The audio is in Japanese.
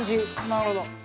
なるほど。